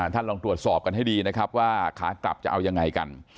ท่านลองตรวจสอบกันให้ดีนะครับว่าขากลับจะเอายังไงกัน